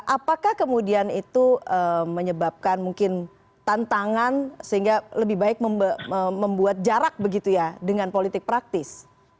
apakah kemudian itu menyebabkan mungkin tantangan sehingga lebih baik membuat jarak begitu ya dengan politik praktis